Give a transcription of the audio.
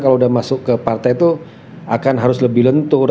kalau sudah masuk ke partai itu akan harus lebih lentur